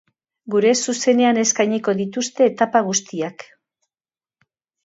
Gure zuzenean eskainiko dituzte etapa guztiak.